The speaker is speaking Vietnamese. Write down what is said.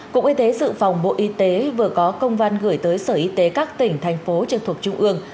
cục y tế dự phòng bộ y tế vừa có công văn gửi tới sở y tế các tỉnh thành phố trực thuộc trung ương